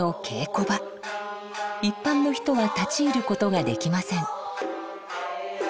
一般の人は立ち入ることができません。